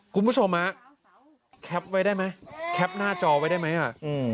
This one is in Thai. คุณผู้ชมฮะแคปไว้ได้ไหมแคปหน้าจอไว้ได้ไหมอ่ะอืม